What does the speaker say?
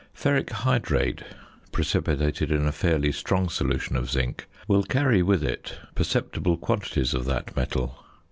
Ferric hydrate precipitated in a fairly strong solution of zinc will carry with it perceptible quantities of that metal.